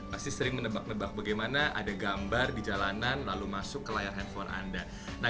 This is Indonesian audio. pasti sering menebak nebak bagaimana ada gambar di jalanan lalu masuk ke layar handphone anda